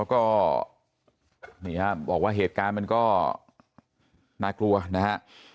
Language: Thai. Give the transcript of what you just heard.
ก็นี่ฮะบอกว่าเหตุการณ์มันก็น่ากลัวนะฮะ